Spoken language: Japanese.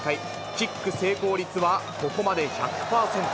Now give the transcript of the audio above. キック成功率はここまで１００％。